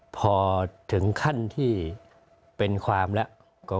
พอถึงขั้นที่เป็นการดำเนินการ